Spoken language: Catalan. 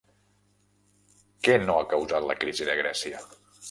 Què no ha causat la crisi de Grècia?